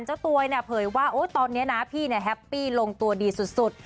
เจ้าตัวเนี่ยเผยว่าตอนนี้นะพี่แฮปปี้ลงตัวดีสุด